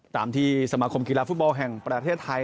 ตามที่สมาคมกีฬาฟุตบอลแห่งประเทศไทย